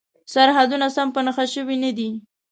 سرحدونه سم په نښه شوي نه دي.